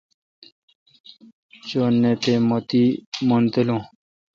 چو نہ تے مہ تی مون تالو۔